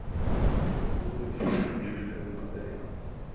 Byl použit veškerý využitelný materiál.